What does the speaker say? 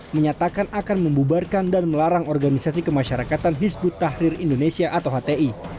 menyatakan akan membubarkan dan melarang organisasi kemasyarakatan hizbut tahrir indonesia atau hti